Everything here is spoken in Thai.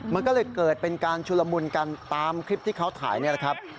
มันก็เลยเกิดเป็นการชุลมุนกันตามคลิปที่เขาถ่ายนี่แหละครับ